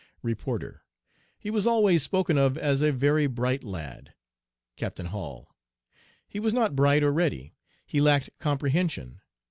"REPORTER 'He was always spoken of as a very bright lad.' "CAPTAIN HALL 'He was not bright or ready. He lacked comprehension.